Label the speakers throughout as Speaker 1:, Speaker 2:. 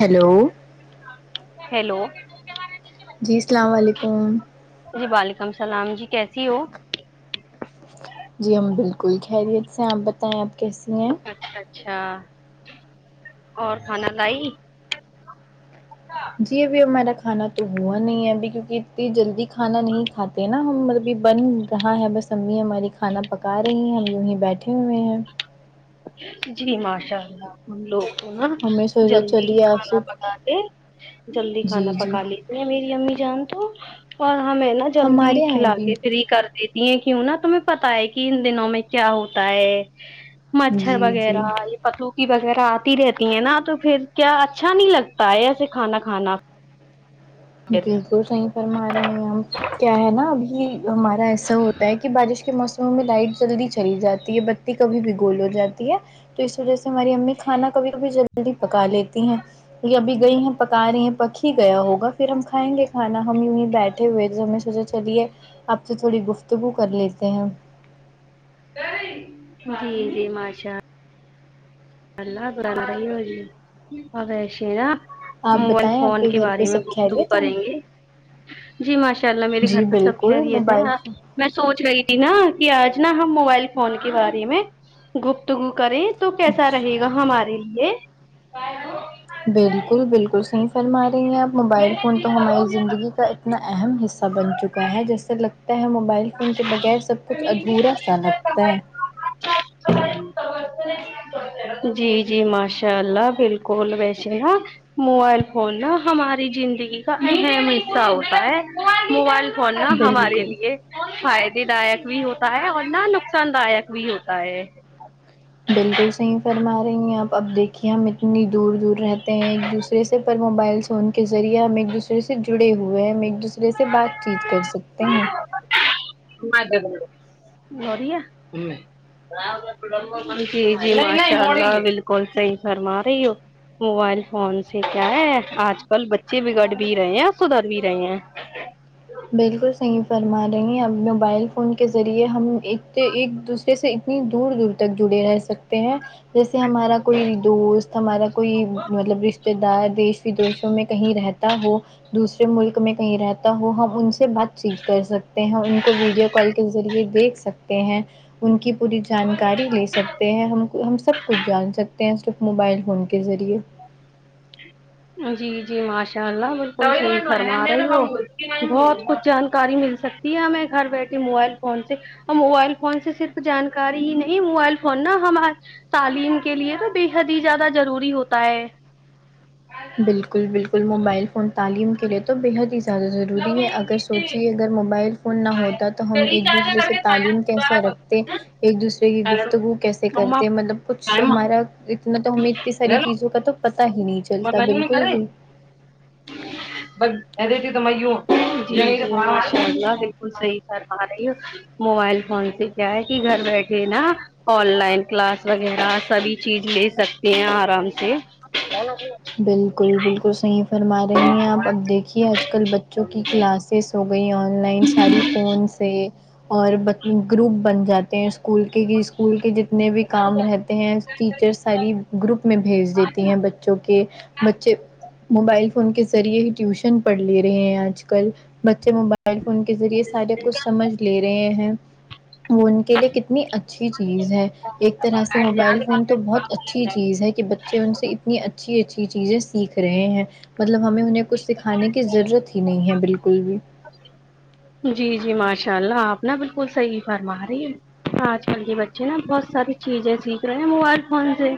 Speaker 1: hello
Speaker 2: hello
Speaker 1: جی السلام علیکم
Speaker 2: جی وعلیکم السلام جی کیسی ہو
Speaker 1: جی ہم بالکل خیریت سے ہیں آپ بتائیں آپ کیسی ہیں
Speaker 2: اچھا اچھا اور کھانا لائی
Speaker 1: جی ابھی ہمارا کھانا تو ہوا نہیں ہے ابھی کیونکہ اتنی جلدی کھانا نہیں کھاتے نا ہم ابھی بن رہا ہے بس امی ہماری کھانا پکا رہی ہیں ہم یونیں بیٹھے ہوئے ہیں
Speaker 2: جی ماشاء اللہ ہم لوگ تو نا
Speaker 1: ہمیں سوچا
Speaker 2: جلدی
Speaker 1: چلیے آپ
Speaker 2: کھانا
Speaker 1: سے
Speaker 2: پکاتے جلدی کھانا
Speaker 1: جی جی
Speaker 2: پکا لے میری امی جان تو اور ہمیں نا جلدی
Speaker 1: ہمارے یہاں
Speaker 2: کھلا
Speaker 1: بھی
Speaker 2: کے فری کر دیتی ہیں کیوں نہا تمہیں پتا ہے کہ ان دنوں میں کیا ہوتا ہے مچھر
Speaker 1: جی
Speaker 2: وغیرہ
Speaker 1: جی
Speaker 2: پتول کی وغیرہ آتی رہتی ہیں نا تو پھر کیا اچھا نہیں لگتا ہے ایسے کھانا کھانا پھر
Speaker 1: بالکل صحیح فرما رہی ہیں اپ کیا ہے نا ابھی ہمارے ایسا ہوتا ہے کہ بارش کے موس سم ہمیں لائٹ جلدی چلی جاتی ہے بتی کبھی گول ہو جاتی ہے تو اس وجہ سے ہماری امی کھانا کبھی کبھی جلدی پکا لیتی ہیں یہ ابھی گئی ہیں پکا رہی ہیں پک ہی گیا ہوگا پھر ہم کھائیں گے کھانا ہم یوہیں بیٹھے ہوئے تو ہمیں سوچے چلیے آپ سے تھوڑی گفتگو کر لیتے ہیں
Speaker 2: جی جی ماشاء اللہ گشین [unintelligible]
Speaker 1: آپ
Speaker 2: موبائل
Speaker 1: بتائیں آپ
Speaker 2: فون کے
Speaker 1: گھر پہ
Speaker 2: بارے میں
Speaker 1: سب
Speaker 2: گفتگو
Speaker 1: خیریت ہے
Speaker 2: کریں گے جی ماشاء اللہ میرے
Speaker 1: جی
Speaker 2: گھر پر سب
Speaker 1: بالکل
Speaker 2: خیریت
Speaker 1: موبائل
Speaker 2: ہیں آپ میں سوچ رہی تھی نا کہ آج نا ہم موبائل فون کے بارے میں گپتگو کریں تو کیسا
Speaker 1: فون
Speaker 2: رہے گا ہمارے لیے
Speaker 1: بالکل بالکل صحیح فرما رہی ہیں آپ
Speaker 2: میں
Speaker 1: موبائل فون تو ہماری زندگی کا ایک اپنا اہم حصہ بن چکا ہے
Speaker 2: نے
Speaker 1: جیسے لگتا ہے موبائل ان کے بغیر سب کچھ ادھورا سا لگتا ہے
Speaker 2: جی جی ماشاء اللہ بالکل ویشے نا موبائل فون نا ہماری زندگی کا اہم حصہ ہوتا ہے موبائل فون نا ہمارے لیے فائدے دایک بھی ہوتا ہے اور نہ نقصان دایک بھی ہوتا ہے
Speaker 1: بالکل صحیح فرما رہی ہیں آپ اب دیکھیے ہم اتنی دور دور رہتے ہیں ایک دوسرے سے پر موبائل فون کے ذریعے ہم ایک دوسرے سے جڑے ہوئے ہیں ہم ایک دوسرے سے بات چیت کر سکتے ہیں
Speaker 2: مد ب [inaudible] گڑیا ہمم جی جی ماشاء اللہ بالکل صحیح فرما رہی ہو موبائل فون سے کیا ہے آج کل بچے بگڑ بھی رہے ہیں اور سدھر بھی رہے ہیں
Speaker 1: بالکل صحیح فرما رہی ہیں اب موبائل فون کے ذریعے ہم ایک ایک دوس سے اتنی دور دور تک جڑے رہ سکتے ہیں جیسے ہمارا کوئی دوست ہمارا کوئی مطلب رشتہ دار دیش ودیشوں میں کہیں رہ تا ہو دوسرے ملک میں کہیں رہتا ہو ہم ان سے بات چیت کر سکتے ہیں ان کو ویڈیو کال کے ذریعے دیکھ سکتے ہیں ان کی پوری جانکاری لے سکتے ہیں ہم کو ہم سب کچھ جان سکتے ہیں صرف موبائل فون کے ذریعے
Speaker 2: جی جی ماشاء اللہ بالکل ٹھیک فرما رہی ہو بہت کچھ جانکاری مل سک کے ہمیں گھر بیٹھے موبائل فون سے موبائل فون سے صرف جانکاری ہی نہیں موبائل فون نا ہما تعلیم کے لیے تو بے حد ہی زیادہ ضروری ہوتا ہے
Speaker 1: بالکل بالکل موبائل فون تعلیم کے لیے تو بے حد ہی زیادہ ضروری ہے اگر سوچیے اگر موبائل فون نا ہوتا تو ہم ایک دوسرے
Speaker 2: ریچارج
Speaker 1: سے تعلیم کیسا رک ھتے ایک دوسرے کی
Speaker 2: جی
Speaker 1: گفتگو کیسے
Speaker 2: جی
Speaker 1: کرتے
Speaker 2: ماشاء
Speaker 1: مطلب کچھ ہمارا اتنا تو ہمیں اتنی ساری چیزوں کا تو پتا ہی نہیں چلتا بالکل بھی
Speaker 2: بالکل صحیح فرما رہی ہو [unintelligible] موبائل فون سے کیا ہے کہ گھر بیٹھے نا آن لائن کلاس وغیرہ سبھی چیز لے سکتے ہیں آرام سے
Speaker 1: بالکل بالکل صحیح فرما رہی ہیں آپ اب دیکھیے آج کل بچوں کی کلاسیس ہو گئی آن لائن ساری فون سے اور بد گروپ بن جاتے ہیں اسکول کے اسکول کے جتنے بھی کام رہ تے ہیں ٹیچر ساری گروپ میں بھیج دیتی ہیں بچوں کو کہ بچے موبائل فون کے ذریعے ہی ٹیوشن پڑھ لے رہے ہیں آج کل بچے موبائل فون کے ذریعے سارے کچھ سمجھ لے رہے ہیں مون کے لیے کتنی اچھی چیز ہے ایک طرح سے موبائل فون تو بہت اچھی چیز ہے کہ بچے ان سے اتنی اچھی اچھی چیزیں سیکھ رہے ہیں مطلب ہمیں انہیں کچھ سکھانے کی ضرورت ہی نہیں ہے بالکل بھی
Speaker 2: جی جی ماشاء اللہ آپ نا بالکل صحیح فرما رہی ہے آج کل جی بچے نا بہت ساری چیزیں سیکھ رہے ہیں موبائل فون سے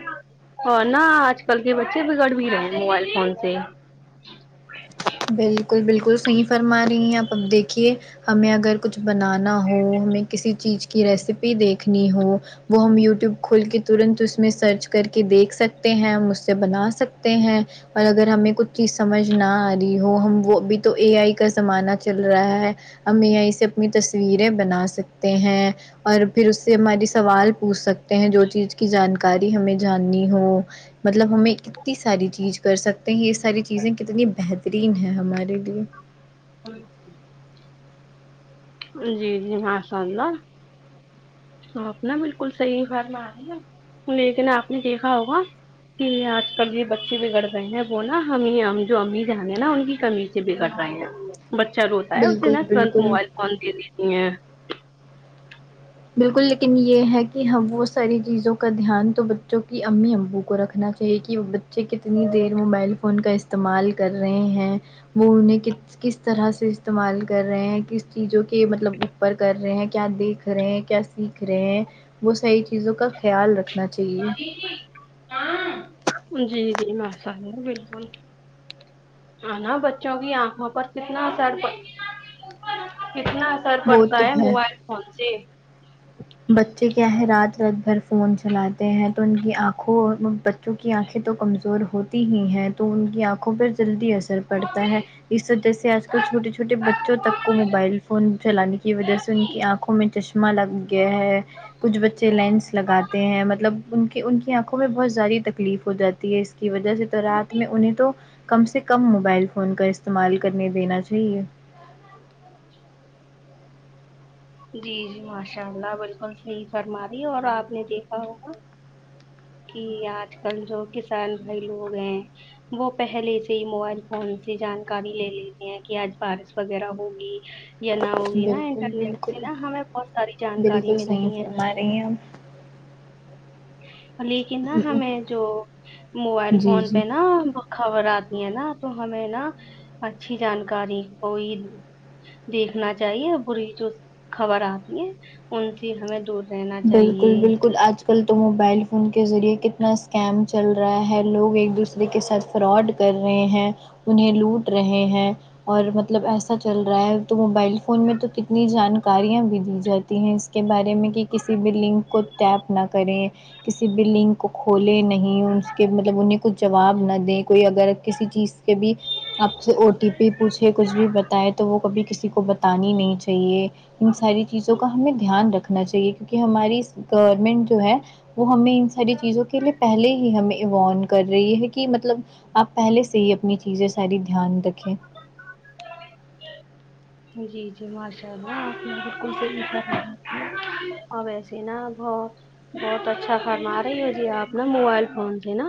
Speaker 2: اور نا آج کل کے بچے بگڑ بھی رہے ہیں موبائل فون سے
Speaker 1: بالکل بالکل صحیح فرما رہی ہیں آپ اب دیکھیے ہمیں اگر کچھ بنانا ہو ہمیں کسی چیز کی ریسپی دیکھنی ہو وہ ہم یوٹیوب کھول کے ترنت اس میں سرچ کر کے دیکھ سکتے ہیں ہم اس سے بنا سکتے ہیں اور اگر ہمیں کچھ چیز سمجھ نہ آ رہی ہو ہم وہ بھی تو اے آئی کا زمانہ چل رہا ہے ہم اے آئی سے اپنی تصویریں بنا سکتے ہیں اور پھر اس سے ہماری سوال پوچھ سکتے ہیں جو چیز کی جانکاری ہمیں جاننی ہو مطلب ہمیں کتنی ساری چیز کر سکتے ہیں یہ ساری چیزیں کتنی بہ ترین ہے ہمارے لیے
Speaker 2: جی جی ماشاء اللہ آپ نا بالکل صحیح فارما رہی ہے لیکن آپ نے دیکھا ہوگا کہ آج کل یہ بچے بگڑ رہے ہیں وہ نا ہمیں ہم جو امی جان ہیں نا ان کی کمی بھی کر رہے ہیں بچہ روتا ہے اسے ترنت موبائل فون دے دیتی ہیں
Speaker 1: بالکل لیکن یہ ہے کہ ہم وہ ساری چیزوں کا دھیان تو بچوں کی امی ابو کو رکھنا چا ہیے کہ بچے کتنی دیر موبائل فون کا استعمال کر رہے ہیں وہ انہیں ک س طرح سے استعمال کر رہے ہیں کس چیزوں کے مطلب اوپر کر رہے ہیں کیا دیکھ رہے ہیں کیا سیکھ رہے ہیں وہ صحیح چیزوں کا خیال رکھنا چاہیے
Speaker 2: جی جی ہاں جی جی ماشاء اللہ بالکل ہاں نا بچوں کی آنکھوں پر کتنا اثر پڑ کتنا اثر
Speaker 1: وہ
Speaker 2: پڑتا
Speaker 1: تو
Speaker 2: ہے موبائل فون سے
Speaker 1: بچے کیا ہے رات رات بھر فون چلاتے ہیں تو ان کی آنکھوں اور کیونکہ آنکھیں تو کمزور ہوتی ہی ہیں تو ان کی آنکھوں پر جلدی اثر پڑتا ہے اس وجہ سے آج کل چھوٹے چھوٹے بچوں تک کو موبائل فون چلانے کی وجہ سے ان
Speaker 2: جی
Speaker 1: کی آنکھوں میں چش مہ لگ گیا ہے کچھ بچے لینس لگاتے ہیں مطلب ان کے ان کی آنکھوں میں بہت زاری تکلیف ہو جات اس کی وجہ سے تو رات میں انہیں تو کم سے کم موبائل فون کا استعمال کرنے دینا چاہیے
Speaker 2: جی جی ماشاء اللہ بالکل صحیح فرما رہی اور آپ نے دیکھا ہوگا کہ آج کل جو کسان بھائی لوگ ہیں وہ پہلے سے ہی موبائل فون سے جانکاری لے لیتے ہیں کہ آج بارش وغیرہ ہوگی یا نہ ہوگی نا
Speaker 1: بالکل
Speaker 2: انٹرنیٹ سے
Speaker 1: بالکل
Speaker 2: نا ہمیں بہت ساری جانکاری ملتی ہیں
Speaker 1: ا [inaudible]
Speaker 2: لیکن نا
Speaker 1: آپ
Speaker 2: ہمیں جو موبائل
Speaker 1: جی
Speaker 2: فون
Speaker 1: جی
Speaker 2: پہ نا خبر آتی ہے نا تو ہمیں نا اچھی جانکاری کوئی دیکھنا چاہیے بری جو خبر آتی ہے ان سے ہمیں دور رہنا
Speaker 1: بالکل
Speaker 2: چاہیے
Speaker 1: بالکل آج کل تو موبائل فون کے ذریعے کتنا اسکیم چل رہا ہے لوگ ایک دوسرے کے ساتھ فراڈ کر رہے ہیں انہیں لوٹ رہے ہیں اور مطلب ایسا چل رہا ہے تو موبائل فون میں تو کتنی جانکاریاں بھی دی جاتی ہیں اس کے بارے میں کہ کسی بھی لنک کو ٹیپ نہ کریں کسی بھی لنک کو کھولے نہیں اس کے مطلب انہیں کچھ جواب نہ دیں کوئی اگر کسی چیز بھی آپ سے او ٹی پی پوچھے کچھ بھی بتائے تو وہ کبھی کسی کو بتانی نہیں چاہ ہیے ان ساری چیزوں کا ہمیں دھیان رکھنا چاہیے کیونکہ ہماری گورنمنٹ جو ہے وہ ہمیں ان ساری چیزوں کے لیے پہلے ہی ہمیں ایوان کر رہی ہے کہ مطلب آپ پہلے سے ہی اپنی چیزیں ساری دھیان رکھیں
Speaker 2: جی جی ماشاء اللہ آپ نے بالکل صحیح فرمایا ہے اور ویسے ہی نہ ہو بہت اچھا فرما رہی ہو جی آپ نا موبائل فون سے نا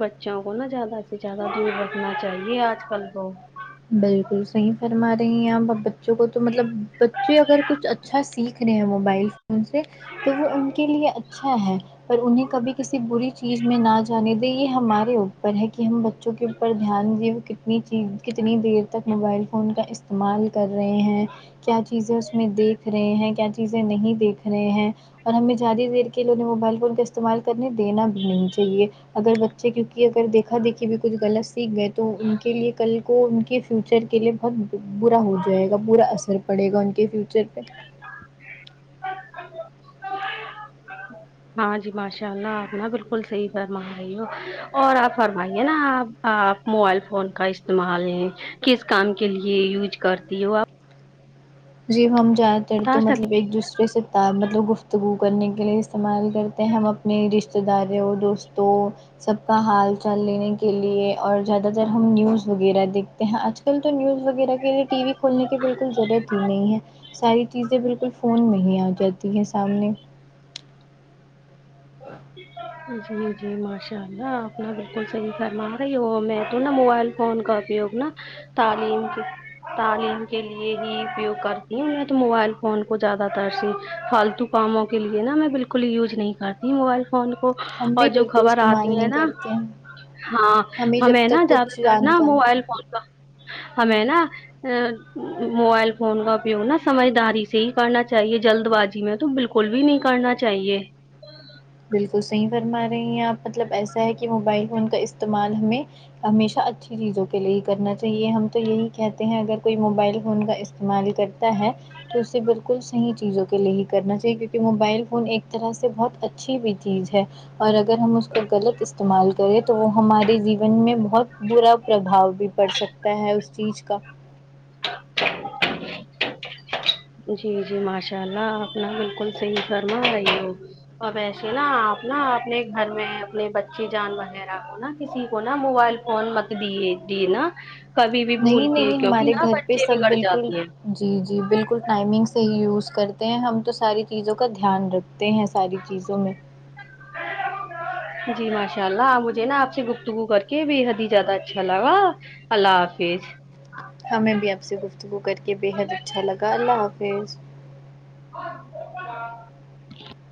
Speaker 2: بچوں کو نا زیادہ سے زیادہ دور رکھنا چاہیے آج کل تو
Speaker 1: بالکل صحیح فرما رہی ہیں آپ ا بچوں کو تو مطلب بچے اگر کچھ اچ ھا سیکھ رہے ہیں موبائل فون سے تو وہ ان کے لیے اچھ ھا ہے پر انہیں کبھی کسی بری چیز میں نہ جانے دے یہ ہمارے پر ہے کہ ہم بچوں کے اوپر دھیان دے کتنی چیز کتنی دیر تک موبائل فون کا استع مال کر رہے ہیں کیا چیزیں اس میں دیکھ رہے ہیں کیا چیزیں نہیں دیکھ رہے ہیں اور ہمیں زیادہ دیر کے لیے انہیں موبائل فون کا استعمال کرنے دینا بھی نہیں چاہیے اگر بچے کیونکہ اگر دیکھا دیکھی بھی کچھ غلط سیکھ گئے تو ان کے لیے کل کو ان کے فیوچر کے لیے بہت برا ہو جائے گا برا اثر پڑے گا ان کے فیوچر پہ
Speaker 2: ہاں جی ماشاء اللہ آپ نا بالکل صحیح فرما رہی ہو اور آپ فرمائیے نا آپ ہاں آپ موبائل فون کا استعمال کس کام کے لیے یوج کرتی ہو آپ
Speaker 1: جی ہم جاتے
Speaker 2: بتا
Speaker 1: تو مطلب
Speaker 2: سکتے
Speaker 1: ایک دوسرے سے ت مطلب گفتگو کرنے کے لیے استعمال کرتے ہیں ہم اپنے رشتے داروں دوستوں سب کا حال چال لینے کے لیے اور زیادہ تر ہم نیوز وغیرہ دیکھتے ہیں آج کل تو نیوز وغیرہ کے لیے ٹی وی کھولنے کی بالکل ضرورت ھی نہیں ہے ساری چیزیں بالکل فون میں ہی آ جاتی ہیں سامنے
Speaker 2: جی جی ماشاء اللہ آپ نا بالکل صحیح فرما رہی ہو میں تو نا موبائل فون کا اپیوگ نا تعلیم تعلیم کے لیے ہی اپیوگ کرتی ہوں میں تو موبائل فون کو زیادہ تر سے فالتو کاموں کے لیے نا میں بالکل یوج نہیں کرتی موبائل فون کو
Speaker 1: ہم
Speaker 2: اور
Speaker 1: بھی
Speaker 2: جو
Speaker 1: بالکل
Speaker 2: خبر
Speaker 1: استعمال
Speaker 2: آتی ہے
Speaker 1: نہیں
Speaker 2: نا
Speaker 1: کرتے ہیں
Speaker 2: ہاں
Speaker 1: جب
Speaker 2: ہمیں نا
Speaker 1: تک
Speaker 2: زیادہ
Speaker 1: کچھ
Speaker 2: تر نا
Speaker 1: جانکاری
Speaker 2: موبائل فون کا ہمیں نا آ موبائل فون کا اپیوگ نا سمجھداری سے ہی کرنا چاہیے جلد بازی میں تو بال کل بھی نہیں کرنا چاہیے
Speaker 1: بالکل صحیح فرما رہی ہیں آپ مطلب ایسا ہے کہ موبائل فون کا استعمال ہمیں ہمیشہ اچھی چیزوں کے لیے ہی کرنا چاہیے ہم تو یہی کہتے ہیں اگر کوئی موبائل فون کا استعمال کر تا ہے تو اسے بالکل صحیح چیزوں کے لیے ہی کرنا چاہیے کیونکہ موبائل فون ایک طرح سے بہت ا چھی بھی چیز ہے اور اگر ہم اس کا غلط استعمال کریں تو وہ ہمارے جیون میں بہت برا پرابھاؤ بھی پڑ سکتا ہے اس چیز کا
Speaker 2: جی جی ماشاء اللہ آپ نا بالکل صحیح فرما رہی ہو اور ویسے نا آپ نا اپنے گھر میں اپنی بچی جان وغیرہ کو نا کسی کو نا موبائل فون مت دیے دینا کبھی بھی بھول
Speaker 1: نہیں
Speaker 2: کے
Speaker 1: نہیں
Speaker 2: کیوںکہ
Speaker 1: ہمارے
Speaker 2: نا
Speaker 1: گھر پہ
Speaker 2: بچے
Speaker 1: سب
Speaker 2: بگڑ
Speaker 1: بالکل
Speaker 2: جاتی ہیں
Speaker 1: جی جی بالکل ٹائمنگ سے ہی یوز کرتے ہیں ہم تو ساری چیزوں کا دھیان رکھ تے ہیں ساری چیزوں میں
Speaker 2: جی ماشاء اللہ مجھے نا آپ سے گفتگو کر کے بے حد ہی زیادہ اچھا لگا اللہ حافظ
Speaker 1: ہمیں بھی آپ سے گفتگو کر کے بےحد اچھا لگا اللہ حافظ
Speaker 2: [unintelligible]